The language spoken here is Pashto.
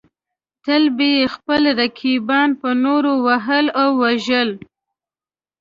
تل به یې خپل رقیبان په نورو وهل او وژل.